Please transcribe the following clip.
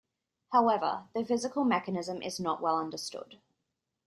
However, the physical mechanism is not well understood.